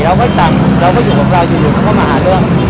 เรากายถังแล้วก็มาหาเรื่อง